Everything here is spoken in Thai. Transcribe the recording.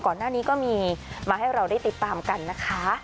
ก่อนหน้านี้ก็มีมาให้เราได้ติดตามกันนะคะ